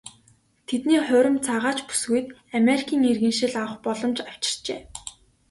Тэдний хурим цагаач бүсгүйд Америкийн иргэншил авах боломж авчирчээ.